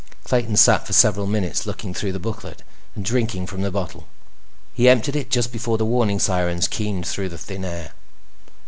Clayton sat for several minutes, looking through the booklet and drinking from the bottle. He emptied it just before the warning sirens keened through the thin air.